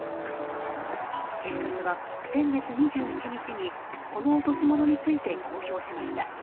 警察は先月２１日にこの落とし物について公表しました。